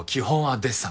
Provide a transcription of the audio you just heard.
デッサン。